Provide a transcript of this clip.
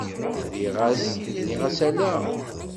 Rriɣ-as, nniɣ-as ala.